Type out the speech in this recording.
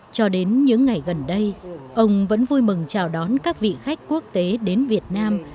cho đến những ngày gần đây ông vẫn vui mừng chào đón các vị khách quốc tế đến việt nam